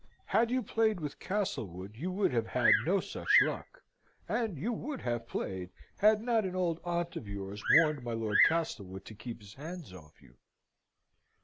Had you played with Castlewood, you would have had no such luck: and you would have played, had not an old aunt of yours warned my Lord Castlewood to keep his hands off you."